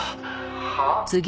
「はあ？」